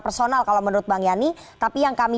personal kalau menurut bang yani tapi yang kami